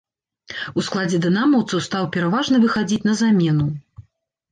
У складзе дынамаўцаў стаў пераважна выхадзіць на замену.